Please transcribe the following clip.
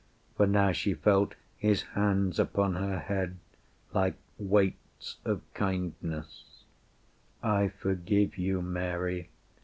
For now she felt his hands upon her head, Like weights of kindness: "I forgive you, Mary.